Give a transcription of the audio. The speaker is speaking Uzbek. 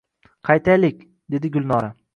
— Qaytaylik… — dedi Gulnora.